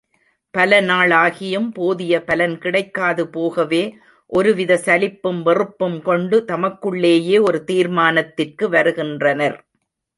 பல நாளாகியும், போதிய பலன் கிடைக்காது போகவே, ஒருவித சலிப்பும் வெறுப்பும் கொண்டு, தமக்குள்ளேயே ஒரு தீர்மானத்திற்கு வருகின்றனர்.